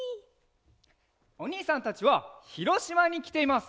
おにいさんたちはひろしまにきています！